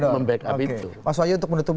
membackup itu mas wahyu untuk menutup